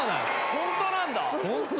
ホントなんだ。